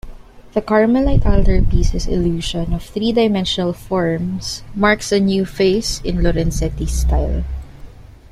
The Carmelite altarpiece's illusion of three-dimensional forms marks a new phase in Lorenzetti's style.